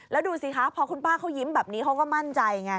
แล้วดูสิคะพอคุณป้าเขายิ้มแบบนี้เขาก็มั่นใจไง